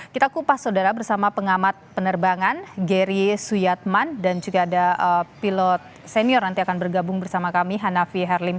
kita kupas saudara bersama pengamat penerbangan gary suyatman dan juga ada pilot senior nanti akan bergabung bersama kami hanafi herlim